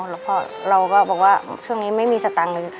แล้วก็เราก็บอกว่าช่วงนี้ไม่มีสตังค์เลย